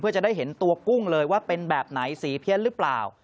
เพื่อจะได้เห็นตัวกุ้งเลยว่าเป็นแบบไหนสีเพี้ยนหรือเปล่า